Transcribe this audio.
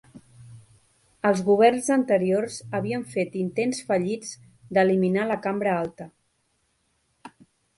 Els governs anteriors havien fet intents fallits d'eliminar la cambra alta.